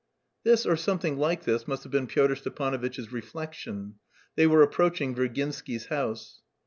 This or something like this must have been Pyotr Stepanovitch's reflection. They were approaching Virginsky's house.